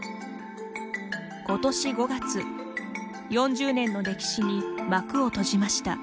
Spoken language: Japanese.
今年５月４０年の歴史に幕を閉じました。